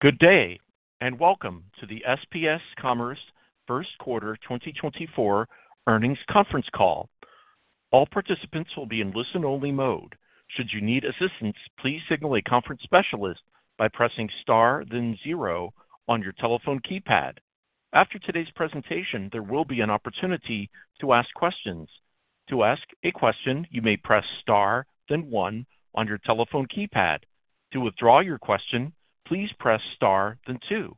Good day and welcome to the SPS Commerce first quarter 2024 earnings conference call. All participants will be in listen-only mode. Should you need assistance, please signal a conference specialist by pressing star then zero on your telephone keypad. After today's presentation, there will be an opportunity to ask questions. To ask a question, you may press star then one on your telephone keypad. To withdraw your question, please press star then two.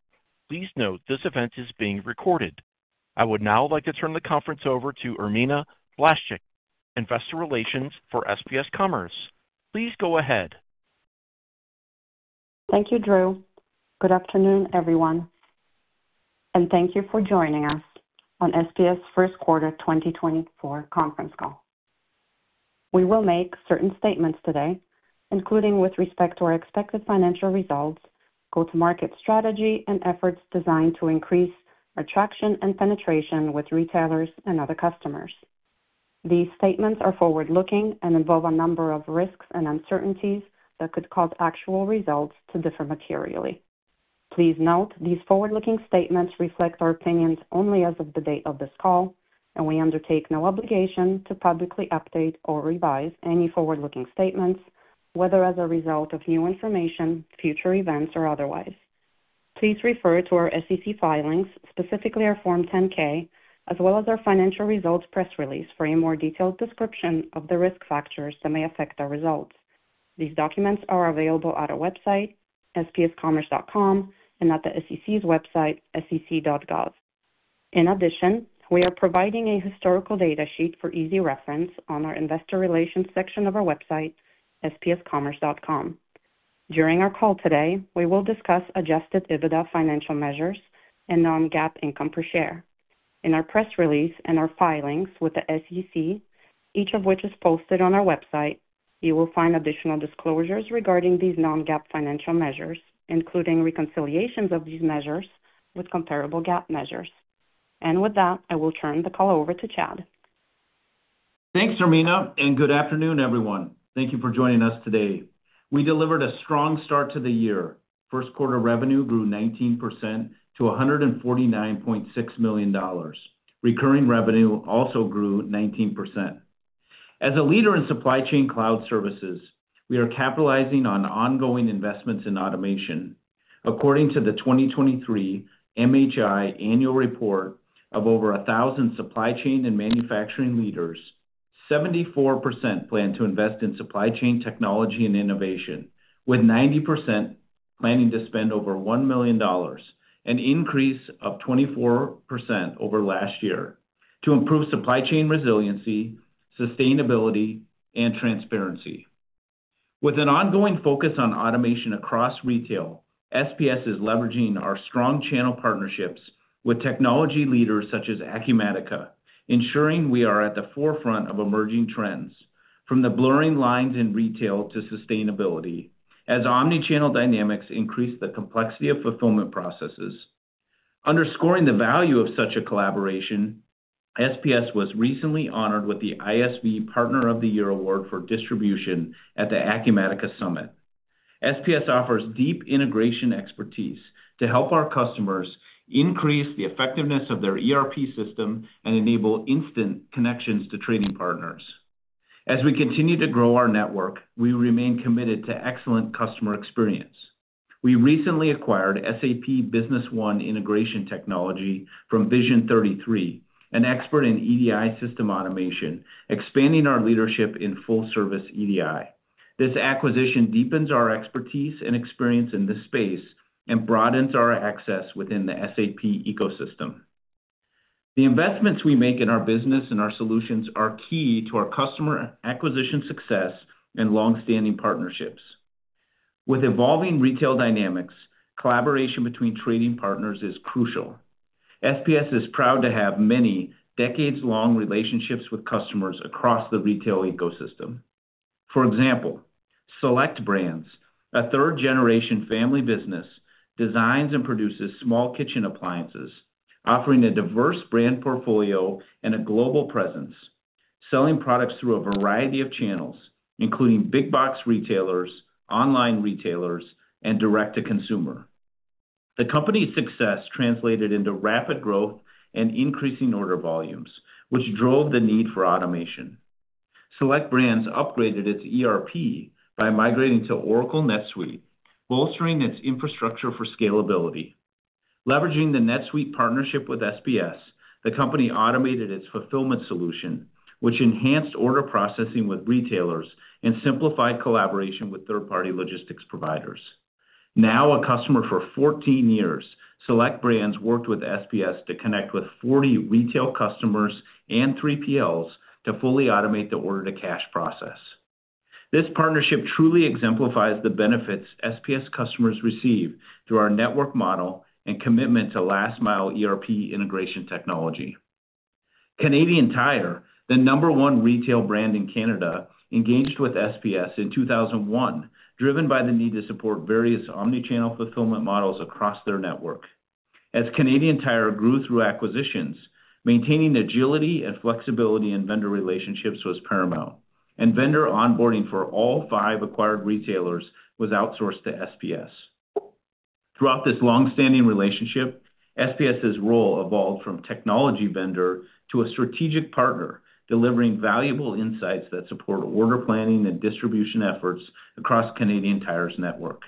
Please note this event is being recorded. I would now like to turn the conference over to Irmina Blaszczyk, Investor Relations for SPS Commerce. Please go ahead. Thank you, Drew. Good afternoon, everyone, and thank you for joining us on SPS first quarter 2024 conference call. We will make certain statements today, including with respect to our expected financial results, go-to-market strategy, and efforts designed to increase attraction and penetration with retailers and other customers. These statements are forward-looking and involve a number of risks and uncertainties that could cause actual results to differ materially. Please note these forward-looking statements reflect our opinions only as of the date of this call, and we undertake no obligation to publicly update or revise any forward-looking statements, whether as a result of new information, future events, or otherwise. Please refer to our SEC filings, specifically our Form 10-K, as well as our financial results press release for a more detailed description of the risk factors that may affect our results. These documents are available at our website, spscommerce.com, and at the SEC's website, sec.gov. In addition, we are providing a historical data sheet for easy reference on our investor relations section of our website, spscommerce.com. During our call today, we will discuss adjusted EBITDA financial measures and non-GAAP income per share. In our press release and our filings with the SEC, each of which is posted on our website, you will find additional disclosures regarding these non-GAAP financial measures, including reconciliations of these measures with comparable GAAP measures. With that, I will turn the call over to Chad. Thanks, Irmina, and good afternoon, everyone. Thank you for joining us today. We delivered a strong start to the year. First quarter revenue grew 19% to $149.6 million. Recurring revenue also grew 19%. As a leader in supply chain cloud services, we are capitalizing on ongoing investments in automation. According to the 2023 MHI annual report of over 1,000 supply chain and manufacturing leaders, 74% plan to invest in supply chain technology and innovation, with 90% planning to spend over $1 million, an increase of 24% over last year, to improve supply chain resiliency, sustainability, and transparency. With an ongoing focus on automation across retail, SPS is leveraging our strong channel partnerships with technology leaders such as Acumatica, ensuring we are at the forefront of emerging trends, from the blurring lines in retail to sustainability, as omnichannel dynamics increase the complexity of fulfillment processes. Underscoring the value of such a collaboration, SPS was recently honored with the ISV Partner of the Year Award for Distribution at the Acumatica Summit. SPS offers deep integration expertise to help our customers increase the effectiveness of their ERP system and enable instant connections to trading partners. As we continue to grow our network, we remain committed to excellent customer experience. We recently acquired SAP Business One integration technology from Vision33, an expert in EDI system automation, expanding our leadership in full-service EDI. This acquisition deepens our expertise and experience in this space and broadens our access within the SAP ecosystem. The investments we make in our business and our solutions are key to our customer acquisition success and longstanding partnerships. With evolving retail dynamics, collaboration between trading partners is crucial. SPS is proud to have many decades-long relationships with customers across the retail ecosystem. For example, Select Brands, a third-generation family business, designs and produces small kitchen appliances, offering a diverse brand portfolio and a global presence, selling products through a variety of channels, including big-box retailers, online retailers, and direct-to-consumer. The company's success translated into rapid growth and increasing order volumes, which drove the need for automation. Select Brands upgraded its ERP by migrating to Oracle NetSuite, bolstering its infrastructure for scalability. Leveraging the NetSuite partnership with SPS, the company automated its fulfillment solution, which enhanced order processing with retailers and simplified collaboration with third-party logistics providers. Now a customer for 14 years, Select Brands worked with SPS to connect with 40 retail customers and 3PLs to fully automate the order-to-cash process. This partnership truly exemplifies the benefits SPS customers receive through our network model and commitment to last-mile ERP integration technology. Canadian Tire, the number-one retail brand in Canada, engaged with SPS in 2001, driven by the need to support various omnichannel fulfillment models across their network. As Canadian Tire grew through acquisitions, maintaining agility and flexibility in vendor relationships was paramount, and vendor onboarding for all five acquired retailers was outsourced to SPS. Throughout this longstanding relationship, SPS's role evolved from technology vendor to a strategic partner, delivering valuable insights that support order planning and distribution efforts across Canadian Tire's network.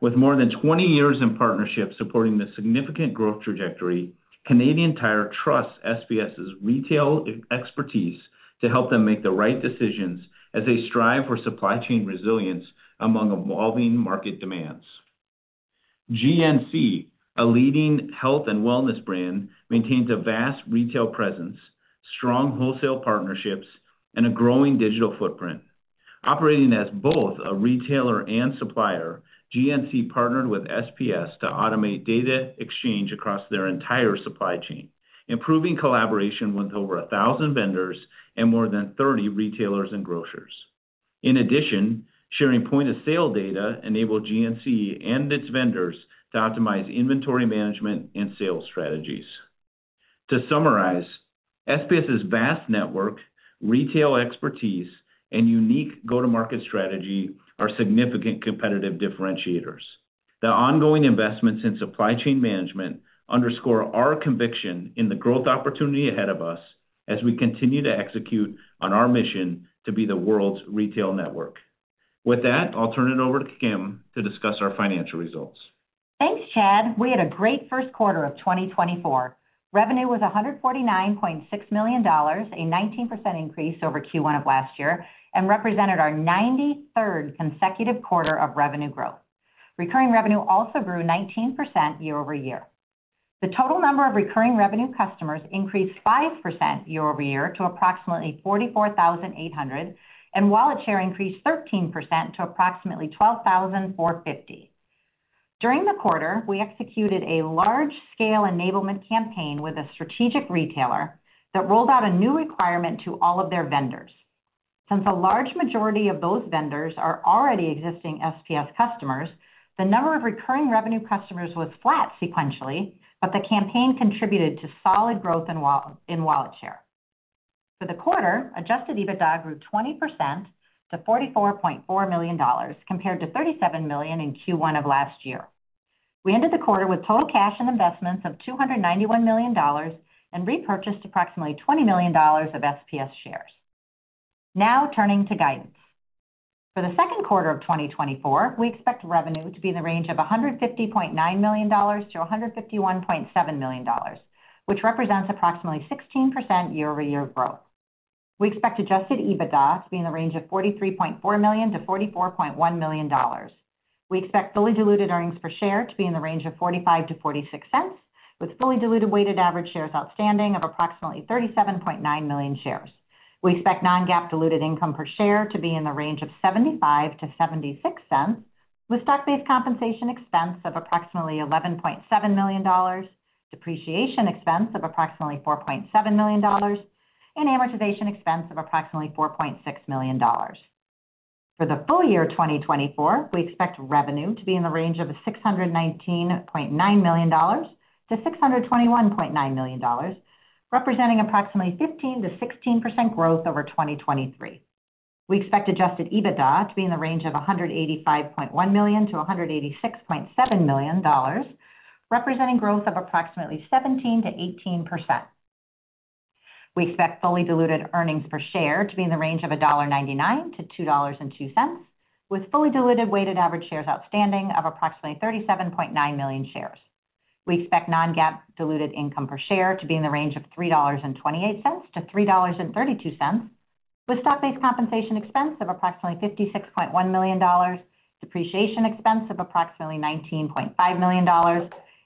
With more than 20 years in partnership supporting this significant growth trajectory, Canadian Tire trusts SPS's retail expertise to help them make the right decisions as they strive for supply chain resilience among evolving market demands. GNC, a leading health and wellness brand, maintains a vast retail presence, strong wholesale partnerships, and a growing digital footprint. Operating as both a retailer and supplier, GNC partnered with SPS to automate data exchange across their entire supply chain, improving collaboration with over 1,000 vendors and more than 30 retailers and grocers. In addition, sharing point-of-sale data enabled GNC and its vendors to optimize inventory management and sales strategies. To summarize, SPS's vast network, retail expertise, and unique go-to-market strategy are significant competitive differentiators. The ongoing investments in supply chain management underscore our conviction in the growth opportunity ahead of us as we continue to execute on our mission to be the world's retail network. With that, I'll turn it over to Kim to discuss our financial results. Thanks, Chad. We had a great first quarter of 2024. Revenue was $149.6 million, a 19% increase over Q1 of last year, and represented our 93rd consecutive quarter of revenue growth. Recurring revenue also grew 19% year-over-year. The total number of recurring revenue customers increased 5% year-over-year to approximately 44,800, and wallet share increased 13% to approximately 12,450. During the quarter, we executed a large-scale enablement campaign with a strategic retailer that rolled out a new requirement to all of their vendors. Since a large majority of those vendors are already existing SPS customers, the number of recurring revenue customers was flat sequentially, but the campaign contributed to solid growth in wallet share. For the quarter, adjusted EBITDA grew 20% to $44.4 million, compared to $37 million in Q1 of last year. We ended the quarter with total cash and investments of $291 million and repurchased approximately $20 million of SPS shares. Now turning to guidance. For the second quarter of 2024, we expect revenue to be in the range of $150.9 million-$151.7 million, which represents approximately 16% year-over-year growth. We expect adjusted EBITDA to be in the range of $43.4 million-$44.1 million. We expect fully diluted earnings per share to be in the range of $0.45-$0.46, with fully diluted weighted average shares outstanding of approximately 37.9 million shares. We expect non-GAAP diluted income per share to be in the range of $0.75-$0.76, with stock-based compensation expense of approximately $11.7 million, depreciation expense of approximately $4.7 million, and amortization expense of approximately $4.6 million. For the full year 2024, we expect revenue to be in the range of $619.9 million-$621.9 million, representing approximately 15%-16% growth over 2023. We expect adjusted EBITDA to be in the range of $185.1 million-$186.7 million, representing growth of approximately 17%-18%. We expect fully diluted earnings per share to be in the range of $1.99-$2.02, with fully diluted weighted average shares outstanding of approximately 37.9 million shares. We expect non-GAAP diluted income per share to be in the range of $3.28-$3.32, with stock-based compensation expense of approximately $56.1 million, depreciation expense of approximately $19.5 million,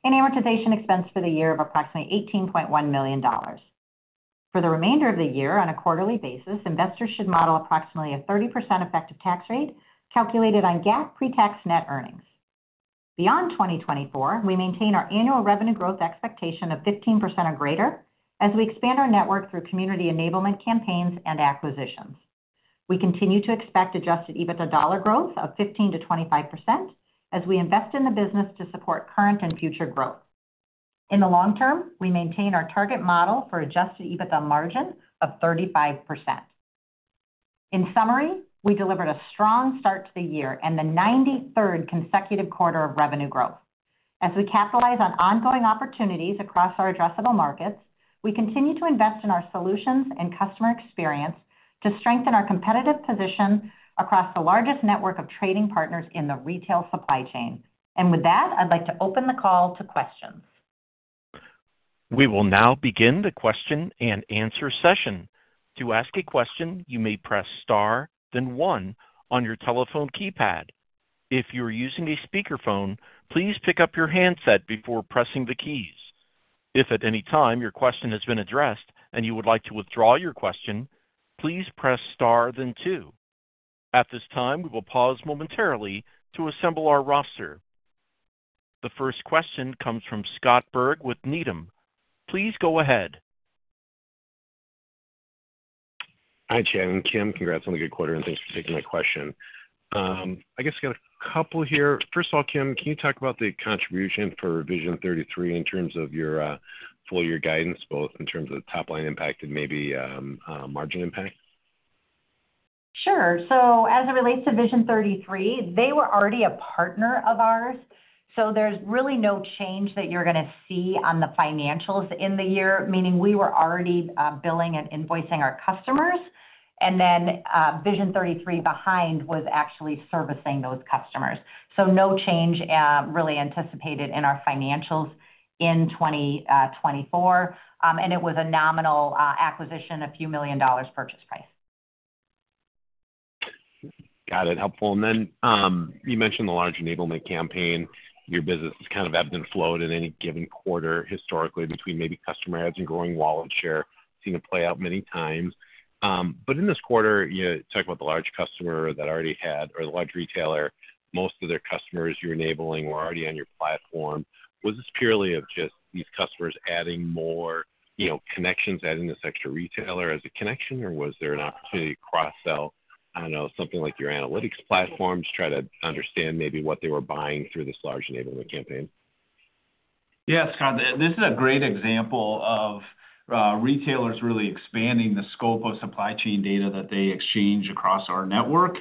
and amortization expense for the year of approximately $18.1 million. For the remainder of the year, on a quarterly basis, investors should model approximately a 30% effective tax rate calculated on GAAP pre-tax net earnings. Beyond 2024, we maintain our annual revenue growth expectation of 15% or greater as we expand our network through community enablement campaigns and acquisitions. We continue to expect adjusted EBITDA dollar growth of 15%-25% as we invest in the business to support current and future growth. In the long term, we maintain our target model for adjusted EBITDA margin of 35%. In summary, we delivered a strong start to the year and the 93rd consecutive quarter of revenue growth. As we capitalize on ongoing opportunities across our addressable markets, we continue to invest in our solutions and customer experience to strengthen our competitive position across the largest network of trading partners in the retail supply chain. And with that, I'd like to open the call to questions. We will now begin the question and answer session. To ask a question, you may press star, then one on your telephone keypad. If you are using a speakerphone, please pick up your handset before pressing the keys. If at any time your question has been addressed and you would like to withdraw your question, please press star, then two. At this time, we will pause momentarily to assemble our roster. The first question comes from Scott Berg with Needham. Please go ahead. Hi, Chad and Kim. Congrats on the good quarter, and thanks for taking my question. I guess I got a couple here. First of all, Kim, can you talk about the contribution for Vision33 in terms of your full-year guidance, both in terms of top-line impact and maybe margin impact? Sure. So as it relates to Vision33, they were already a partner of ours. So there's really no change that you're going to see on the financials in the year, meaning we were already billing and invoicing our customers. And then Vision33 behind was actually servicing those customers. So no change really anticipated in our financials in 2024. And it was a nominal acquisition, a few million dollars purchase price. Got it. Helpful. And then you mentioned the large enablement campaign. Your business has kind of ebbed and flowed in any given quarter historically between maybe customer adds and growing wallet share, seen it play out many times. But in this quarter, talking about the large customer that already had or the large retailer, most of their customers you're enabling were already on your platform. Was this purely just these customers adding more connections, adding this extra retailer as a connection, or was there an opportunity to cross-sell, I don't know, something like your analytics platform to try to understand maybe what they were buying through this large enablement campaign? Yes, Chad. This is a great example of retailers really expanding the scope of supply chain data that they exchange across our network,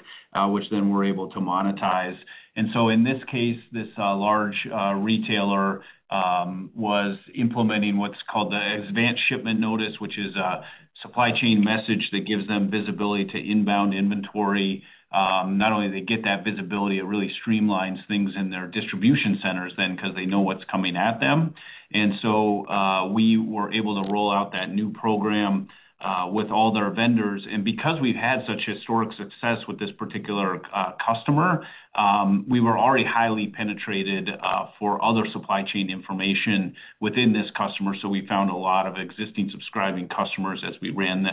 which then we're able to monetize. And so in this case, this large retailer was implementing what's called the Advanced Shipment Notice, which is a supply chain message that gives them visibility to inbound inventory. Not only do they get that visibility, it really streamlines things in their distribution centers then because they know what's coming at them. And so we were able to roll out that new program with all their vendors. And because we've had such historic success with this particular customer, we were already highly penetrated for other supply chain information within this customer. So we found a lot of existing subscribing customers as we ran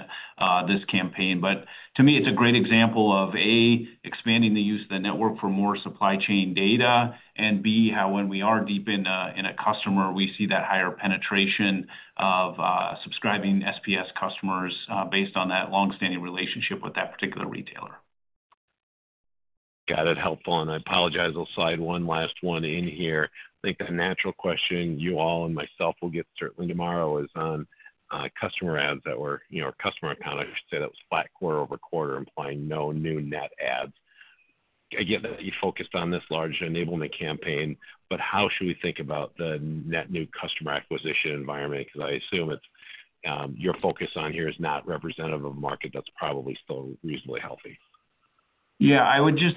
this campaign. But to me, it's a great example of, A, expanding the use of the network for more supply chain data, and B, how when we are deep in a customer, we see that higher penetration of subscribing SPS customers based on that longstanding relationship with that particular retailer. Got it. Helpful. And I apologize. I'll slide one last one in here. I think the natural question you all and myself will get certainly tomorrow is on customer adds that were customer accounts. I should say that was flat quarter-over-quarter, implying no new net adds. I get that you focused on this large enablement campaign, but how should we think about the net new customer acquisition environment? Because I assume your focus on here is not representative of a market that's probably still reasonably healthy. Yeah. I would just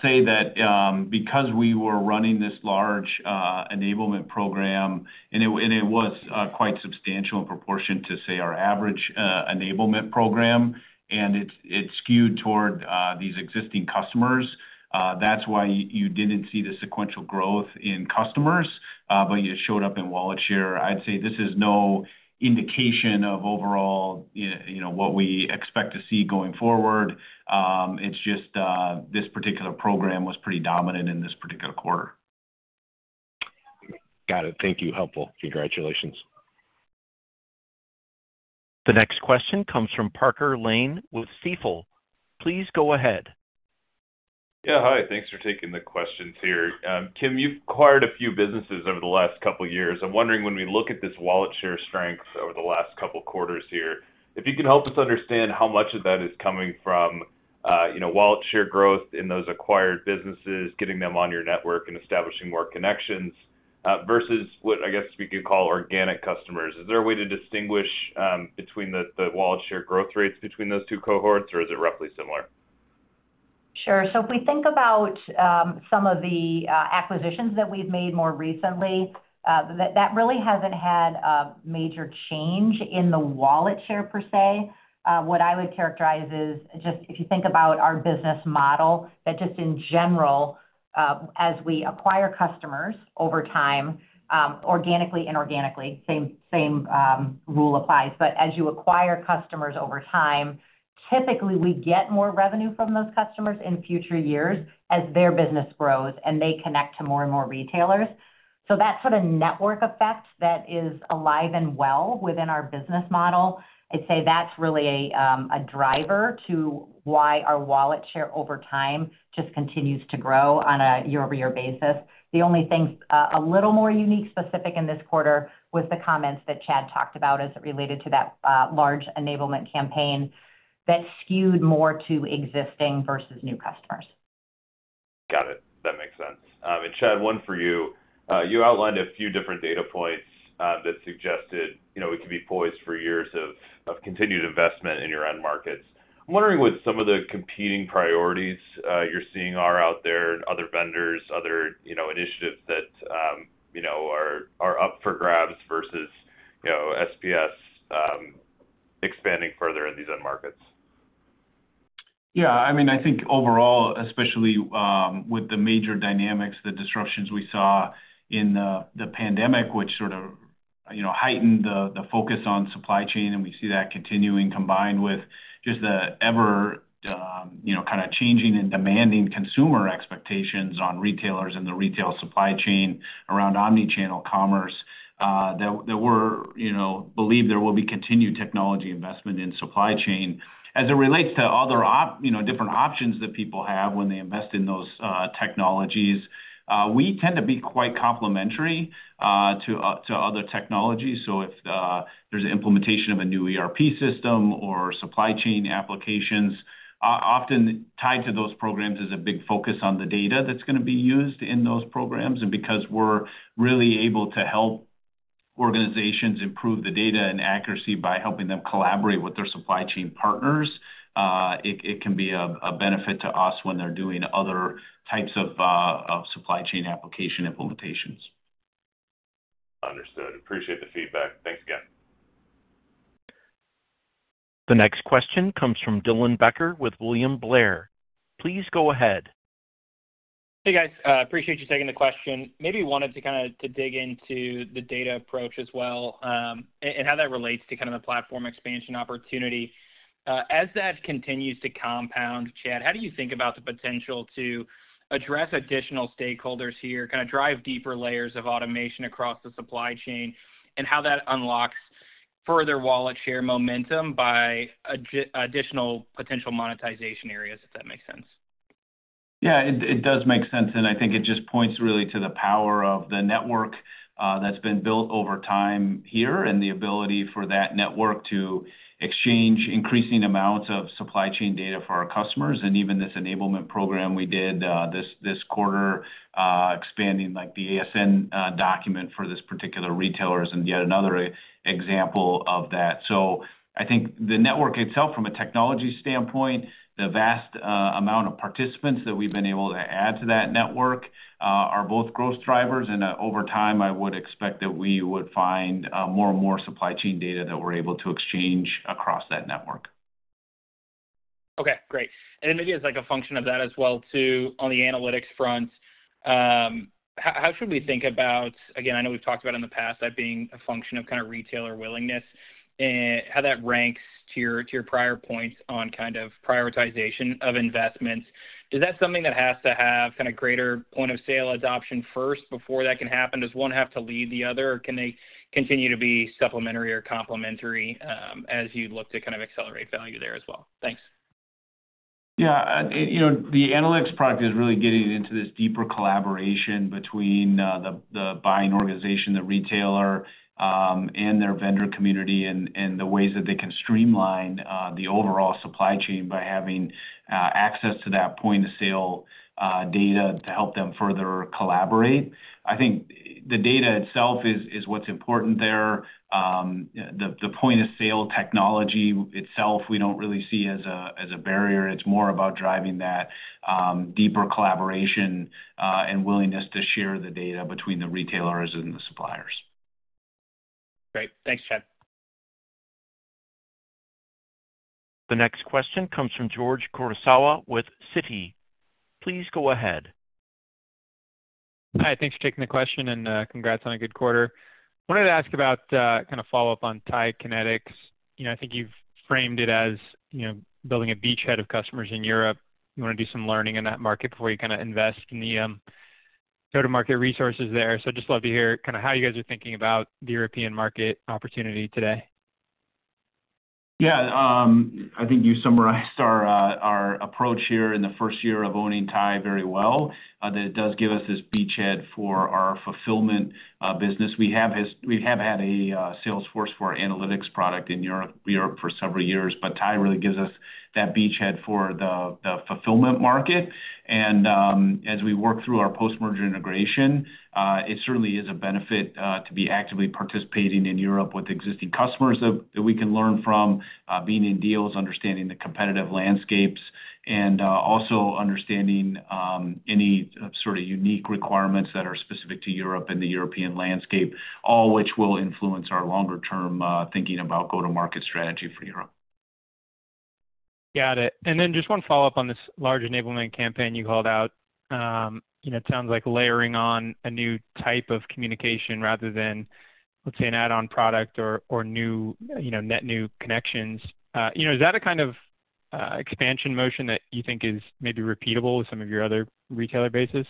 say that because we were running this large enablement program, and it was quite substantial in proportion to, say, our average enablement program, and it skewed toward these existing customers, that's why you didn't see the sequential growth in customers, but you showed up in wallet share. I'd say this is no indication of overall what we expect to see going forward. It's just this particular program was pretty dominant in this particular quarter. Got it. Thank you. Helpful. Congratulations. The next question comes from Parker Lane with Stifel. Please go ahead. Yeah. Hi. Thanks for taking the questions here. Kim, you've acquired a few businesses over the last couple of years. I'm wondering when we look at this wallet share strength over the last couple of quarters here, if you can help us understand how much of that is coming from wallet share growth in those acquired businesses, getting them on your network, and establishing more connections versus what, I guess, we could call organic customers. Is there a way to distinguish between the wallet share growth rates between those two cohorts, or is it roughly similar? Sure. So if we think about some of the acquisitions that we've made more recently, that really hasn't had a major change in the wallet share per se. What I would characterize is just if you think about our business model, that just in general, as we acquire customers over time, organically and organically, same rule applies. But as you acquire customers over time, typically, we get more revenue from those customers in future years as their business grows and they connect to more and more retailers. So that sort of network effect that is alive and well within our business model, I'd say that's really a driver to why our wallet share over time just continues to grow on a year-over-year basis. The only thing a little more unique specific in this quarter was the comments that Chad talked about as it related to that large enablement campaign that skewed more to existing versus new customers. Got it. That makes sense. And Chad, one for you. You outlined a few different data points that suggested we could be poised for years of continued investment in your end markets. I'm wondering what some of the competing priorities you're seeing are out there and other vendors, other initiatives that are up for grabs versus SPS expanding further in these end markets? Yeah. I mean, I think overall, especially with the major dynamics, the disruptions we saw in the pandemic, which sort of heightened the focus on supply chain, and we see that continuing combined with just the ever kind of changing and demanding consumer expectations on retailers and the retail supply chain around omnichannel commerce, that we believe there will be continued technology investment in supply chain. As it relates to other different options that people have when they invest in those technologies, we tend to be quite complementary to other technologies. So if there's an implementation of a new ERP system or supply chain applications, often tied to those programs is a big focus on the data that's going to be used in those programs. Because we're really able to help organizations improve the data and accuracy by helping them collaborate with their supply chain partners, it can be a benefit to us when they're doing other types of supply chain application implementations. Understood. Appreciate the feedback. Thanks again. The next question comes from Dylan Becker with William Blair. Please go ahead. Hey, guys. Appreciate you taking the question. Maybe wanted to kind of dig into the data approach as well and how that relates to kind of the platform expansion opportunity. As that continues to compound, Chad, how do you think about the potential to address additional stakeholders here, kind of drive deeper layers of automation across the supply chain, and how that unlocks further wallet share momentum by additional potential monetization areas, if that makes sense? Yeah. It does make sense. And I think it just points really to the power of the network that's been built over time here and the ability for that network to exchange increasing amounts of supply chain data for our customers. And even this enablement program we did this quarter, expanding the ASN document for this particular retailer is yet another example of that. So I think the network itself, from a technology standpoint, the vast amount of participants that we've been able to add to that network are both growth drivers. And over time, I would expect that we would find more and more supply chain data that we're able to exchange across that network. Okay. Great. And then maybe as a function of that as well, too, on the analytics front, how should we think about again, I know we've talked about in the past that being a function of kind of retailer willingness, how that ranks to your prior points on kind of prioritization of investments? Is that something that has to have kind of greater point of sale adoption first before that can happen? Does one have to lead the other, or can they continue to be supplementary or complementary as you look to kind of accelerate value there as well? Thanks. Yeah. The analytics product is really getting into this deeper collaboration between the buying organization, the retailer, and their vendor community and the ways that they can streamline the overall supply chain by having access to that point of sale data to help them further collaborate. I think the data itself is what's important there. The point of sale technology itself, we don't really see as a barrier. It's more about driving that deeper collaboration and willingness to share the data between the retailers and the suppliers. Great. Thanks, Chad. The next question comes from George Kurosawa with Citi. Please go ahead. Hi. Thanks for taking the question, and congrats on a good quarter. I wanted to ask about kind of follow-up on TIE Kinetix. I think you've framed it as building a beachhead of customers in Europe. You want to do some learning in that market before you kind of invest in the go-to-market resources there. So I'd just love to hear kind of how you guys are thinking about the European market opportunity today. Yeah. I think you summarized our approach here in the first year of owning TIE Kinetix very well. That it does give us this beachhead for our fulfillment business. We have had a Salesforce for analytics product in Europe for several years, but TIE Kinetix really gives us that beachhead for the fulfillment market. As we work through our post-merger integration, it certainly is a benefit to be actively participating in Europe with existing customers that we can learn from, being in deals, understanding the competitive landscapes, and also understanding any sort of unique requirements that are specific to Europe and the European landscape, all which will influence our longer-term thinking about go-to-market strategy for Europe. Got it. And then just one follow-up on this large enablement campaign you called out. It sounds like layering on a new type of communication rather than, let's say, an add-on product or net new connections. Is that a kind of expansion motion that you think is maybe repeatable with some of your other retailer bases?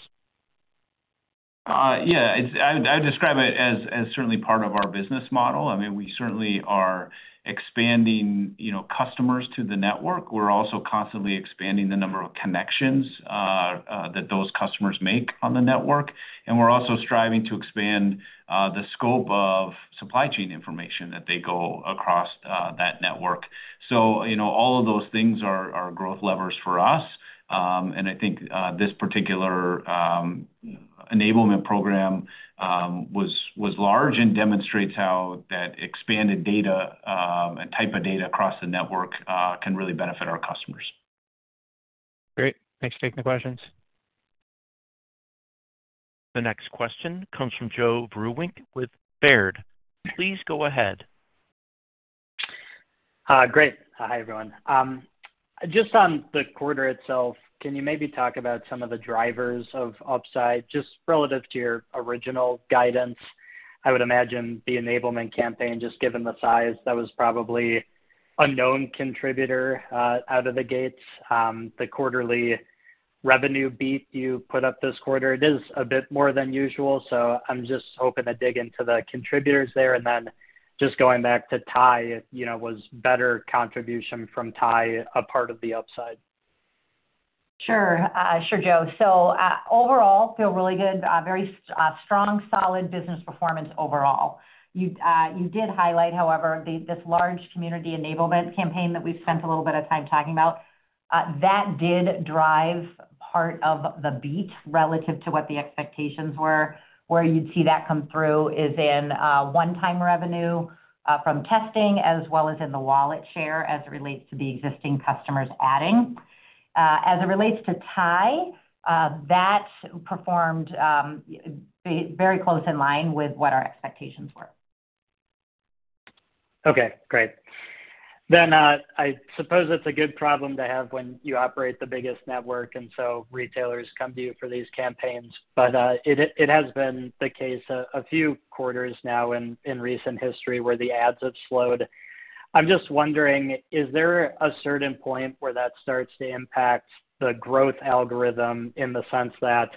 Yeah. I would describe it as certainly part of our business model. I mean, we certainly are expanding customers to the network. We're also constantly expanding the number of connections that those customers make on the network. And we're also striving to expand the scope of supply chain information that they go across that network. So all of those things are growth levers for us. And I think this particular enablement program was large and demonstrates how that expanded data and type of data across the network can really benefit our customers. Great. Thanks for taking the questions. The next question comes from Joe Vruwink with Baird. Please go ahead. Great. Hi, everyone. Just on the quarter itself, can you maybe talk about some of the drivers of upside just relative to your original guidance? I would imagine the enablement campaign, just given the size, that was probably an unknown contributor out of the gates. The quarterly revenue beat you put up this quarter, it is a bit more than usual. So I'm just hoping to dig into the contributors there. And then just going back to Tide, was better contribution from Tide a part of the upside? Sure. Sure, Joe. So overall, feel really good. Very strong, solid business performance overall. You did highlight, however, this large community enablement campaign that we've spent a little bit of time talking about. That did drive part of the beat relative to what the expectations were. Where you'd see that come through is in one-time revenue from testing as well as in the wallet share as it relates to the existing customers adding. As it relates to TIE, that performed very close in line with what our expectations were. Okay. Great. Then I suppose it's a good problem to have when you operate the biggest network, and so retailers come to you for these campaigns. But it has been the case a few quarters now in recent history where the ads have slowed. I'm just wondering, is there a certain point where that starts to impact the growth algorithm in the sense that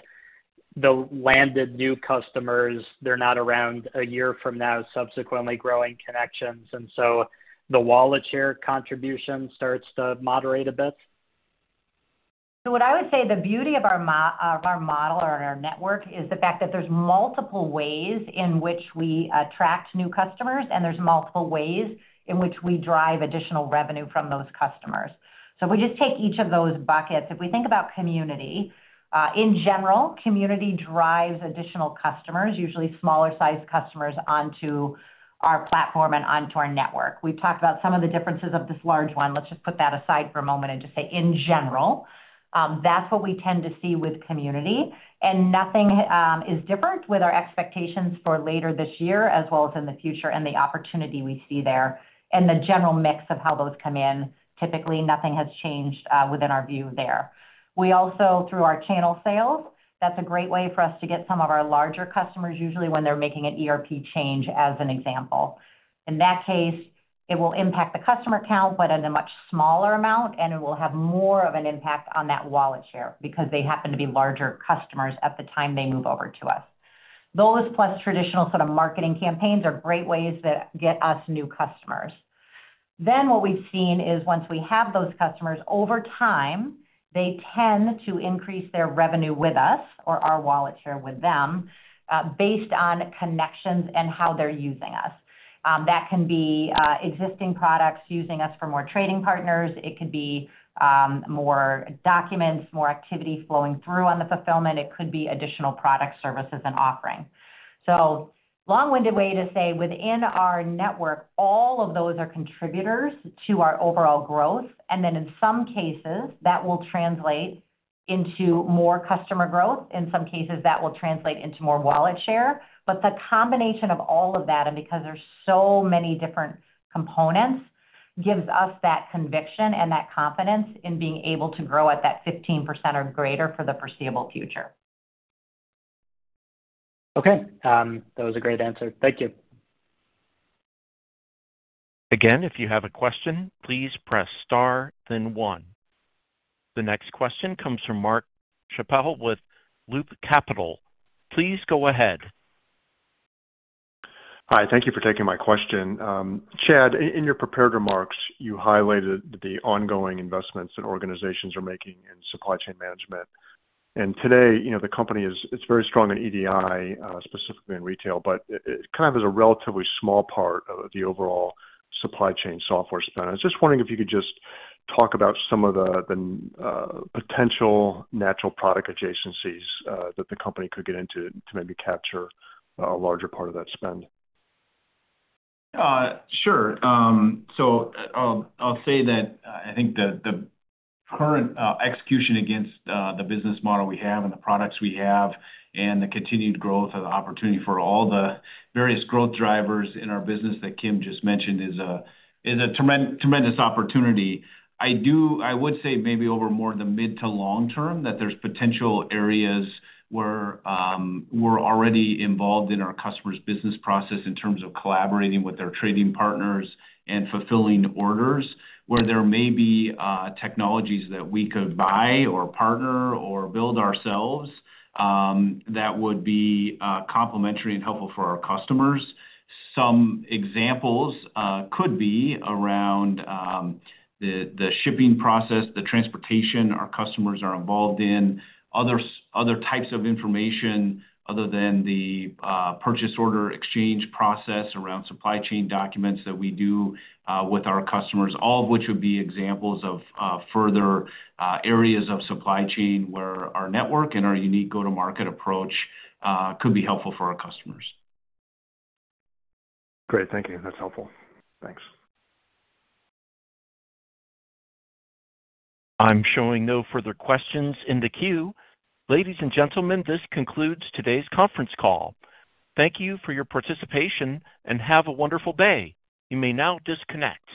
the landed new customers, they're not around a year from now, subsequently growing connections? And so the wallet share contribution starts to moderate a bit? So what I would say the beauty of our model or our network is the fact that there's multiple ways in which we attract new customers, and there's multiple ways in which we drive additional revenue from those customers. So if we just take each of those buckets, if we think about community, in general, community drives additional customers, usually smaller-sized customers, onto our platform and onto our network. We've talked about some of the differences of this large one. Let's just put that aside for a moment and just say, in general, that's what we tend to see with community. And nothing is different with our expectations for later this year as well as in the future and the opportunity we see there and the general mix of how those come in. Typically, nothing has changed within our view there. We also, through our channel sales, that's a great way for us to get some of our larger customers, usually when they're making an ERP change, as an example. In that case, it will impact the customer count, but in a much smaller amount, and it will have more of an impact on that wallet share because they happen to be larger customers at the time they move over to us. Those plus traditional sort of marketing campaigns are great ways that get us new customers. Then what we've seen is once we have those customers, over time, they tend to increase their revenue with us or our wallet share with them based on connections and how they're using us. That can be existing products using us for more trading partners. It could be more documents, more activity flowing through on the fulfillment. It could be additional products, services, and offerings. So long-winded way to say within our network, all of those are contributors to our overall growth. And then in some cases, that will translate into more customer growth. In some cases, that will translate into more wallet share. But the combination of all of that, and because there's so many different components, gives us that conviction and that confidence in being able to grow at that 15% or greater for the foreseeable future. Okay. That was a great answer. Thank you. Again, if you have a question, please press star, then one. The next question comes from Mark Schappel with Loop Capital. Please go ahead. Hi. Thank you for taking my question. Chad, in your prepared remarks, you highlighted the ongoing investments that organizations are making in supply chain management. Today, the company is very strong in EDI, specifically in retail, but it kind of is a relatively small part of the overall supply chain software spend. I was just wondering if you could just talk about some of the potential natural product adjacencies that the company could get into to maybe capture a larger part of that spend. Sure. So I'll say that I think the current execution against the business model we have and the products we have and the continued growth of the opportunity for all the various growth drivers in our business that Kim just mentioned is a tremendous opportunity. I would say maybe over more the mid- to long-term that there's potential areas where we're already involved in our customer's business process in terms of collaborating with their trading partners and fulfilling orders, where there may be technologies that we could buy or partner or build ourselves that would be complementary and helpful for our customers. Some examples could be around the shipping process, the transportation our customers are involved in, other types of information other than the purchase order exchange process around supply chain documents that we do with our customers, all of which would be examples of further areas of supply chain where our network and our unique go-to-market approach could be helpful for our customers. Great. Thank you. That's helpful. Thanks. I'm showing no further questions in the queue. Ladies and gentlemen, this concludes today's conference call. Thank you for your participation, and have a wonderful day. You may now disconnect.